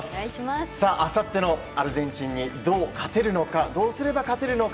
あさってのアルゼンチンにどうすれば勝てるのか。